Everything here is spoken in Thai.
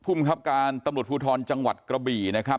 ภูมิครับการตำรวจภูทรจังหวัดกระบี่นะครับ